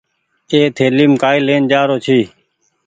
اي ٿليم ڪآئي لين آرو ڇي۔